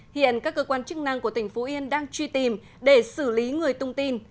hiện các cơ quan chức năng của tỉnh phú yên đang truy tìm để xử lý người tung tin